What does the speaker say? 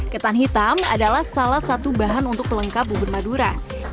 ketan hitam adalah salah satu bahan untuk pelengkap bubur madura